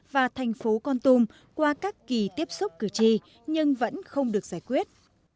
và thành phố con tum qua các kỳ tiếp xúc cử tri nhưng vẫn không được giải quyết